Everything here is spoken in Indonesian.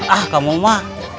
ah kak moma